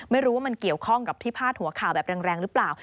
ไม่รู้ว่ามันเกี่ยวข้องกับที่พาดหัวข่าวแบบแรงหรือเปล่า